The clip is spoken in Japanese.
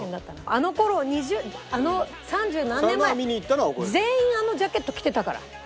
あの頃２０あの三十何年前全員あのジャケット着てたから。